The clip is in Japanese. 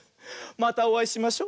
またおあいしましょ。